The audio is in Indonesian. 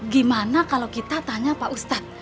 gimana kalau kita tanya pak ustadz